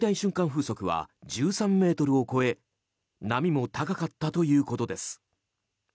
風速は１３メートルを超え波も高かったということです。